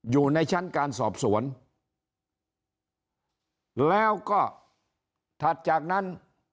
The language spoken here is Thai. อยู่ในชั้นการสอบสวนแล้วก็ถัดจากนั้น